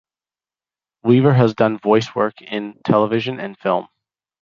Weaver has done voice work in television and film.